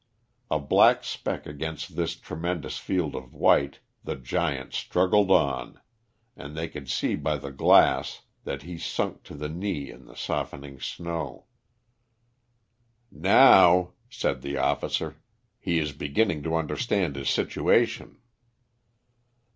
A black speck against this tremendous field of white, the giant struggled on, and they could see by the glass that he sunk to the knee in the softening snow. "Now," said the officer, "he is beginning to understand his situation."